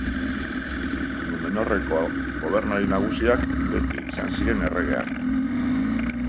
Numenorreko gobernari nagusiak, beti izan ziren erregeak.